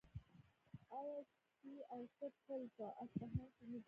آیا سي او سه پل په اصفهان کې نه دی؟